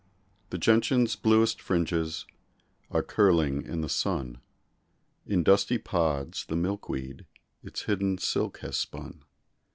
The gentian's bluest fringes Are curling in the sun; In dusty pods the milkweed Its hidden silk has spun.